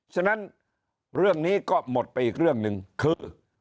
ฉะนั้นเรื่องนี้ก็หมดไปอีกเรื่องหนึ่งคือ